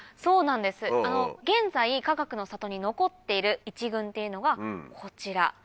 そうなんです現在かがくの里に残っている一群っていうのがこちら。